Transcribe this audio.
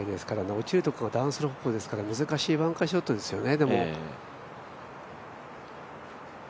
落ちるところがダウンスロープですから難しいバンカーショットですよね。